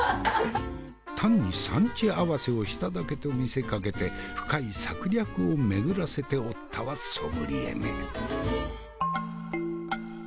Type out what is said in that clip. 単に産地合わせをしただけと見せかけて深い策略を巡らせておったわソムリエめ。